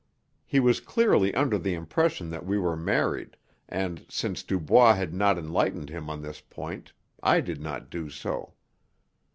He was clearly under the impression that we were married, and, since Dubois had not enlightened him on this point, I did not do so.